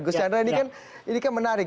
gus chandra ini kan ini kan menarik